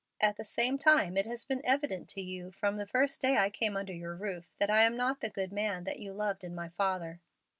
At the same time it has been evident to you from the first day I came under your roof that I am not the good man that you loved in my father."